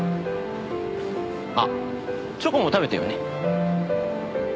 あっチョコも食べてよね。